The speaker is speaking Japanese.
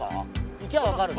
行きゃわかると。